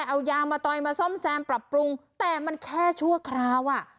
เอายางมาตอยมาซ่อมแซมปรับปรุงแต่มันแค่ชั่วคราวอ่ะ